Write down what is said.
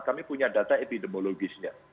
kami punya data epidemiologisnya